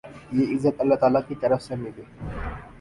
یہ عزت اللہ تعالی کی طرف سے ملی۔